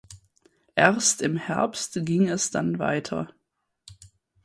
Erst im Herbst ging es dann weiter.